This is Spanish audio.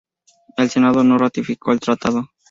El Senado no ratificó el tratado.